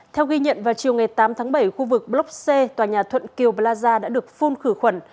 theo ghi nhận vào chiều ngày tám tháng bảy khu vực blockcha tòa nhà thuận kiều plaza đã được phun khử khuẩn